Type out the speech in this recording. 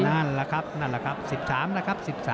นั่นแหละครับนั่นแหละครับ๑๓นะครับ